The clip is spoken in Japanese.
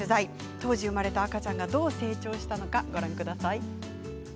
当時生まれた赤ちゃんがどう成長したのか、ご覧ください。